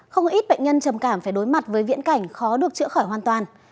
không ít bệnh nhân trầm cảm phải đối mặt với viễn cảnh khó được chữa khỏi hoàn toàn